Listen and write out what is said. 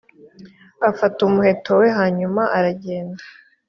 afata umuheto we hanyuma aragenda